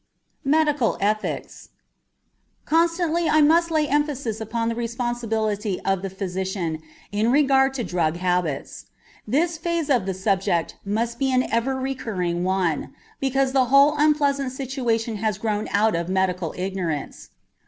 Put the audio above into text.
MEDICAL ETHICS Constantly I must lay emphasis upon the responsibility of the physician in regard to drug habits. This phase of the subject must be an ever recurring one, because the whole unpleasant situation has grown out of medical ignorance.